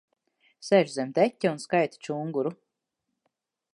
Sēž zem deķa un skaita čunguru.